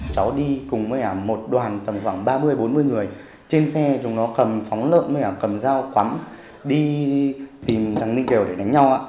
cháu đi cùng một đoàn tầm khoảng ba mươi bốn mươi người trên xe chúng nó cầm phóng lợn cầm dao quắn đi tìm thằng ninh kiều để đánh nhau